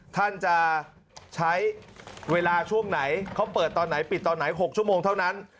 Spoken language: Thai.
ท่านจะใช้เวลาช่วงไหนเขาเปิดตอนไหนปิดตอนไหน๖ชั่วโมงเท่านั้น